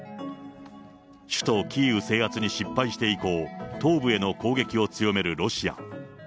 首都キーウ制圧に失敗して以降、東部への攻撃を強めるロシア。